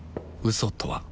嘘とは